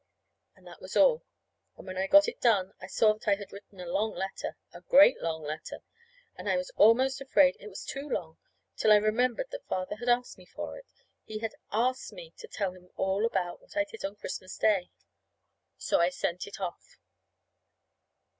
And that was all. And when I had got it done, I saw that I had written a long letter, a great long letter. And I was almost afraid it was too long, till I remembered that Father had asked me for it; he had asked me to tell him all about what I did on Christmas Day. So I sent it off.